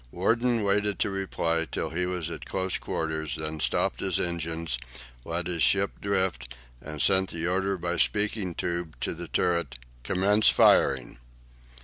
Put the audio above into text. Worden waited to reply till she was at close quarters, then stopped his engines, let his ship drift, and sent the order by speaking tube to the turret, "Commence firing!"